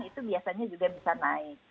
itu biasanya juga bisa naik